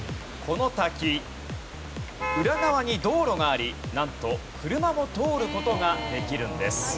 この滝裏側に道路がありなんと車も通る事ができるんです。